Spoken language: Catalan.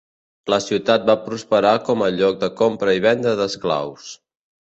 La ciutat va prosperar com a lloc de compra i venda d'esclaus.